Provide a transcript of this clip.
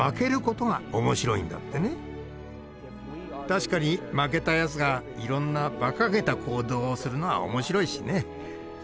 確かに負けたやつがいろんなバカげた行動をするのは面白いしね。